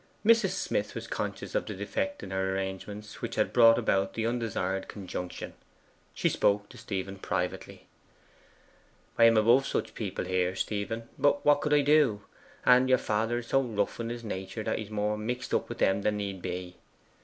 Mrs. Smith was conscious of the defect in her arrangements which had brought about the undesired conjunction. She spoke to Stephen privately. 'I am above having such people here, Stephen; but what could I do? And your father is so rough in his nature that he's more mixed up with them than need be.